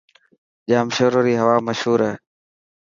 ڄامشوري ري هوا مشهور هي.